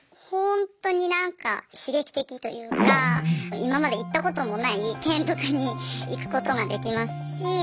本当になんか刺激的というか今まで行ったこともない県とかに行くことができますし。